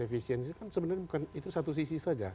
efisiensi kan sebenarnya bukan itu satu sisi saja